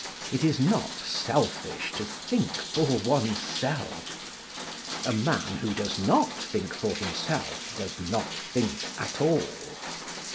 It is not selfish to think for oneself. A man who does not think for himself does not think at all.